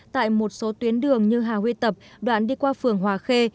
tại một số tuyến đường như hà huy tập đoạn đi qua phường hòa khê